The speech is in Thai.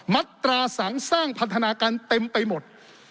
มัตราสังสร้างพันธนาการเต็มไปหมด